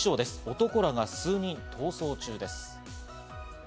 男らが数人逃走中です。